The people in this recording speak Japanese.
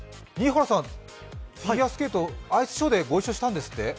フィギュアスケート、アイスショーでご一緒したんですって？